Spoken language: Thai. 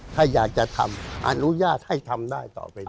ถ้าอยากจะทำอนุญาตให้ทำได้ต่อไปนี้